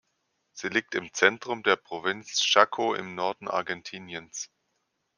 Sie liegt im Zentrum der Provinz Chaco im Norden Argentiniens.